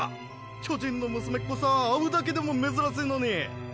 巨人の娘っ子さ会うだけでも珍しいのに。